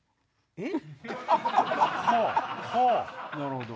えっ？